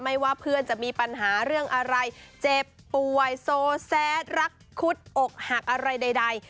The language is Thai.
ว่าเพื่อนจะมีปัญหาเรื่องอะไรเจ็บป่วยโซแซดรักคุดอกหักอะไรใด